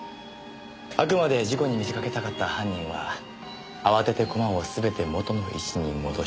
あくまで事故に見せかけたかった犯人は慌てて駒を全て元の位置に戻した。